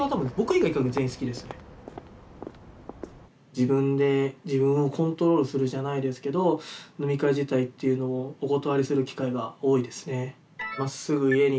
自分で自分をコントロールするじゃないですけど飲み会自体っていうのをお断りする機会が多いですね。